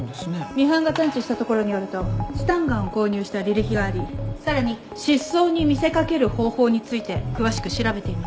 ミハンが探知したところによるとスタンガンを購入した履歴がありさらに失踪に見せかける方法について詳しく調べています。